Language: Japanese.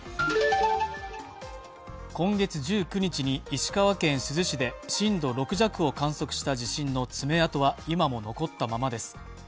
今月１９日に石川県珠洲市で震度６弱を観測した地震の爪痕は今も残ったままです。